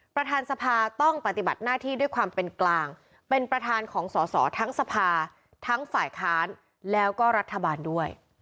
ประธานสภาต้องปฏิบัติหน้าที่ด้วยความเป็นกลางเป็นประธานของสอสอทั้งสภาทั้งฝ่ายค้านแล้วก็รัฐบาลด้วย